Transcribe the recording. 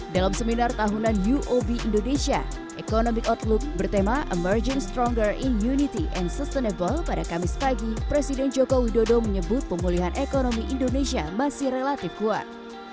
dalam seminar tahunan uob indonesia economic outlook bertema emerging stronger in unity and sustainable pada kamis pagi presiden joko widodo menyebut pemulihan ekonomi indonesia masih relatif kuat